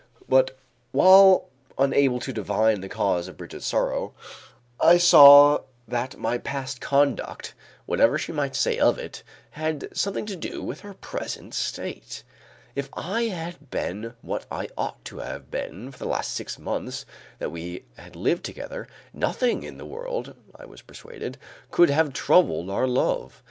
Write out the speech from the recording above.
But, while unable to divine the cause of Brigitte's sorrow, I saw that my past conduct, whatever she might say of it, had something to do with her present state. If I had been what I ought to have been for the last six months that we had lived together, nothing in the world, I was persuaded, could have troubled our love.